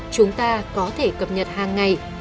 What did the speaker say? chúng ta có thể cập nhật hàng ngày